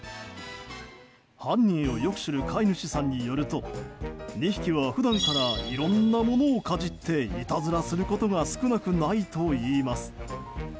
犯人をよく知る飼い主さんによると２匹は普段からいろんなものをかじっていたずらすることが少なくないといいます。